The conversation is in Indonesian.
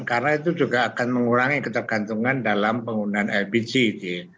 karena itu juga akan mengurangi ketergantungan dalam penggunaan lpg gitu ya